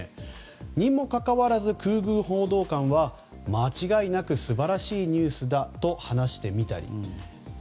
にもかかわらず空軍報道官は間違いなく素晴らしいニュースだと話してみたり。